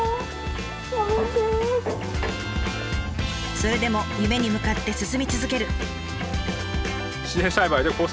それでも夢に向かって進み続ける。